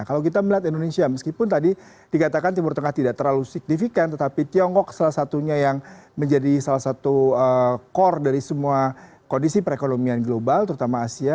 kalau kita melihat indonesia meskipun tadi dikatakan timur tengah tidak terlalu signifikan tetapi tiongkok salah satunya yang menjadi salah satu core dari semua kondisi perekonomian global terutama asia